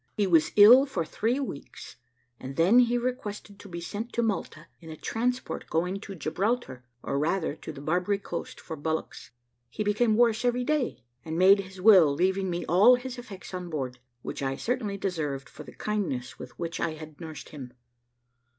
He was ill for three weeks, and then he requested to be sent to Malta in a transport going to Gibraltar, or rather to the Barbary coast for bullocks. He became worse every day, and made his will leaving me all his effects on board, which I certainly deserved for the kindness with which I had nursed him.